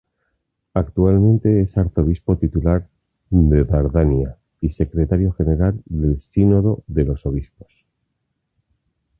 Actualmente es arzobispo titular de Dardania y secretario general del Sínodo de los obispos.